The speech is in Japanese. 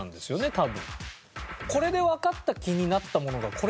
多分。